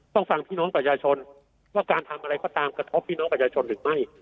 ฟังพี่น้องประชาชนว่าการทำอะไรก็ตามกระทบพี่น้องประชาชนหรือไม่